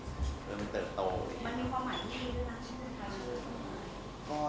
มันมีความหมายที่ดีด้วยนะใช่ไหมครับ